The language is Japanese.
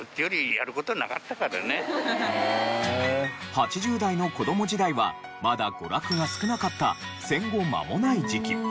８０代の子ども時代はまだ娯楽が少なかった戦後まもない時期。